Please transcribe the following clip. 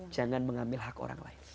jangan mengambil hak orang lain